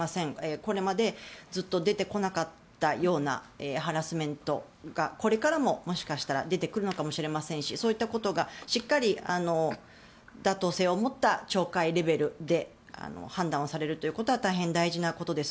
これまでずっと出てこなかったようなハラスメントがこれからも、もしかしたら出てくるのかもしれませんしそういったことがしっかり妥当性を持った懲戒レベルで判断されるということは大変大事なことです。